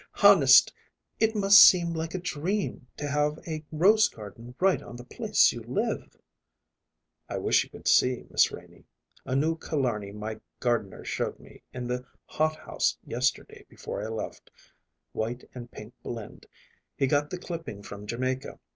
"Honest, it must seem like a dream to have a rose garden right on the place you live." "I wish you could see, Miss Renie, a new Killarney my gardener showed me in the hothouse yesterday before I left white and pink blend; he got the clipping from Jamaica.